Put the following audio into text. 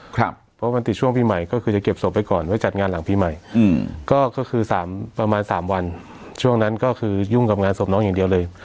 เพราะมันติดช่วงปีใหม่ก็คือจะเก็บศพไว้ก่อนไว้จัดงานหลังปีใหม่ก็คือ๓ประมาณ๓วันช่วงนั้นก็คือยุ่งกับงานศพน้องอย่างเดียวเลย